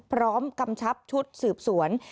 พร้อมกำชับชุดสืบสวน